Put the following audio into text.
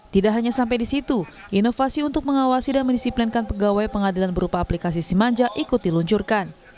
tidak hanya sampai di situ inovasi untuk mengawasi dan mendisiplinkan pegawai pengadilan berupa aplikasi simanja ikut diluncurkan